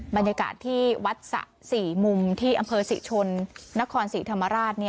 บรรยากาศที่วัดสะสี่มุมที่อำเภอศรีชนนครศรีธรรมราช